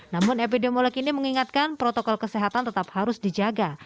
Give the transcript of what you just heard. namun epidemiolog ini mengingatkan protokol kesehatan tetap harus dijaga